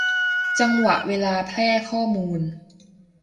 จังหวะเวลาแพร่ข้อมูล